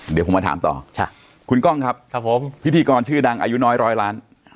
เดี๋ยวผมมาถามต่อคุณกล้องครับผมพิธีกรชื่อดังอายุน้อยร้อยล้าน